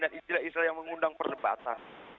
dan istilah istilah yang mengundang perdebatan